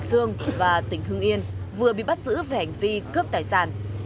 hải dương và tỉnh hưng yên vừa bị bắt giữ về hành vi cướp tài sản